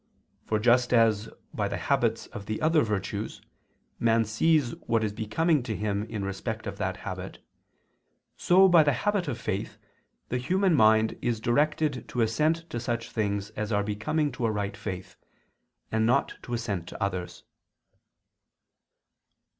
For just as, by the habits of the other virtues, man sees what is becoming to him in respect of that habit, so, by the habit of faith, the human mind is directed to assent to such things as are becoming to a right faith, and not to assent to others.